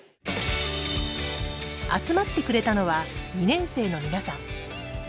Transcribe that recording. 集まってくれたのは２年生の皆さん。